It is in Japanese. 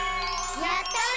やったね！